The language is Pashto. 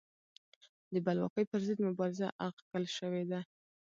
د بلواکۍ پر ضد مبارزه اغږل شوې ده.